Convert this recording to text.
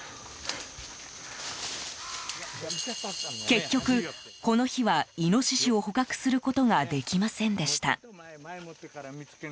結局、この日はイノシシを捕獲することができませんでした。